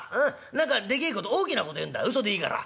何かでけえこと大きなこと言うんだうそでいいから」。